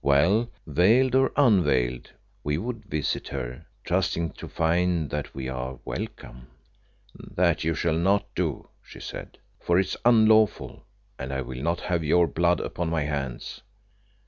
"Well, veiled or unveiled, we would visit her, trusting to find that we are welcome." "That you shall not do," she said, "for it is unlawful, and I will not have your blood upon my hands."